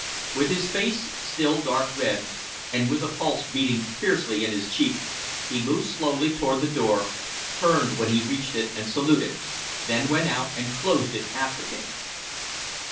With his face still dark red and with a pulse beating fiercely in his cheek, he moved slowly toward the door, turned when he had reached it and saluted, then went out and closed it after him.